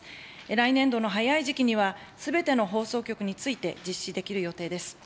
来年度の早い時期には、すべての放送局について実施できる予定です。